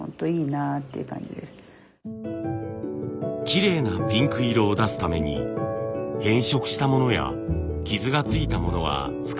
きれいなピンク色を出すために変色したものや傷がついたものは使えません。